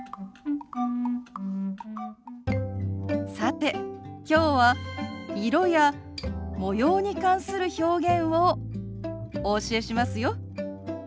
さてきょうは色や模様に関する表現をお教えしますよ。